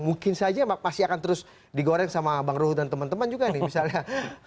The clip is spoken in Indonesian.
mungkin saja masih akan terus digoreng sama bang ruhut dan teman teman juga nih misalnya